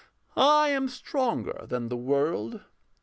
I am stronger than the world.